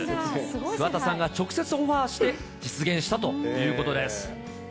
桑田さんが直接オファーして実現したということです。